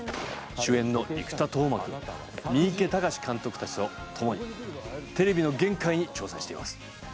主演の生田斗真君三池崇史監督たちとともにテレビの限界に挑戦しています。